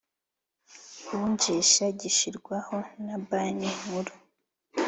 unjisha gishyirwaho na Banki Nkuru